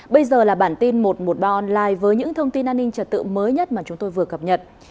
bây giờ là bản tin một trăm một mươi ba online với những thông tin an ninh trật tự mới nhất mà chúng tôi vừa cập nhật